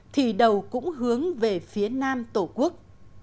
thì đầu cũng hướng về phía trước